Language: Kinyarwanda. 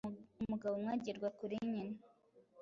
umugabo umwe agerwa kuli nyina